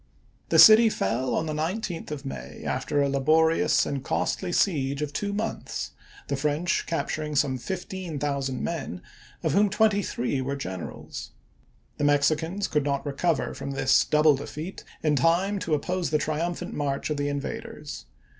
The city fell on the 19th of May, after a laborious and costly siege of two months, the French captur ing some fifteen thousand men, of whom twenty three were generals. The Mexicans could not re cover from this double defeat in time to oppose the triumphant march of the invaders.